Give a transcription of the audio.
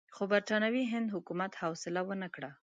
خو برټانوي هند حکومت حوصله ونه کړه.